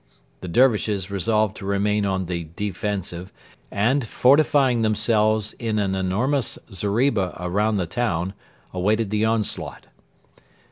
The Dervishes resolved to remain on the defensive, and, fortifying themselves in an enormous zeriba around the town, awaited the onslaught.